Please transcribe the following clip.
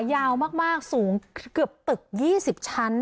ยาวมากสูงเกือบตึก๒๐ชั้น